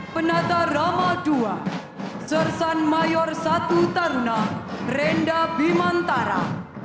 penata rama ii sersan mayor satu taruna renda bimantara